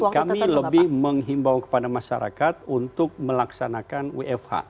kami lebih menghimbau kepada masyarakat untuk melaksanakan wfh